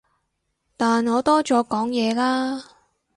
但我多咗講嘢啦